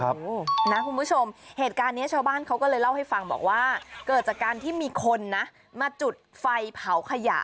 นะคุณผู้ชมเหตุการณ์นี้ชาวบ้านเขาก็เลยเล่าให้ฟังบอกว่าเกิดจากการที่มีคนนะมาจุดไฟเผาขยะ